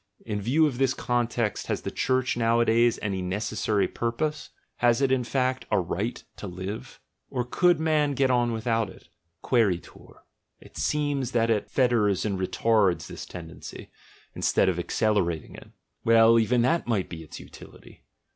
In view of this context has the Church nowadays any necessary purpose? Has it, in fact, a right to live? Or could man get on without it? Quocritur. It seems that it fetters and retards this tendency, instead of accelerating it. Well, even that might be its utility.